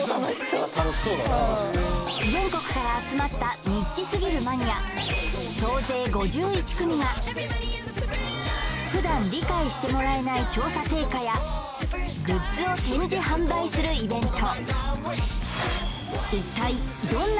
うん全国から集まったニッチすぎるマニア総勢５１組がふだん理解してもらえない調査成果やグッズを展示・販売するイベント集まっているのか